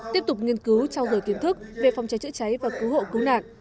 tiếp tục nghiên cứu trao dồi kiến thức về phòng cháy chữa cháy và cứu hộ cứu nạn